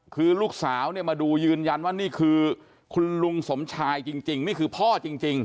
คือลูกสาวเนี่ยมาดูยืนยันว่านี่คือคุณลุงสมชายจริงนี่คือพ่อจริง